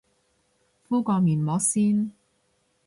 敷個面膜先